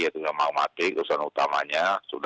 yaitu yang magmatik letupan utamanya